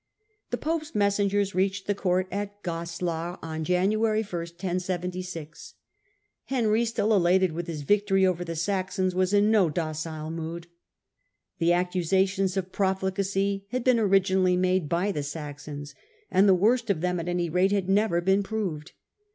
♦ The pope's messengers reached the court at Goslar on January 1, 1076. Henry, still elated with his victory over the Saxons, was in no docile mood. The accusations of profligacy had been originally made by the Saxons, and the worst of them at any rate had never been I proved.